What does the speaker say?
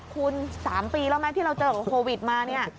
คุณ๓ปีแล้วไหมที่เราเจอกับโควิดมาเนี่ย